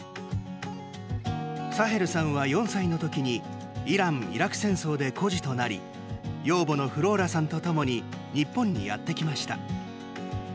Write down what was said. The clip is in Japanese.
サヘルさんは４歳の時にイラン・イラク戦争で孤児となり養母のフローラさんとともに日本にやってきました。